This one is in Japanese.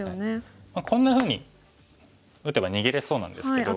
こんなふうに打てば逃げれそうなんですけど。